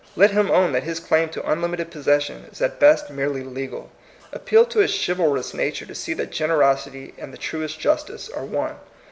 Let him own that his claim to unlimited possession is at best merely legal. Appeal to his chivalrous nature to see that generosity and the truest justice are one.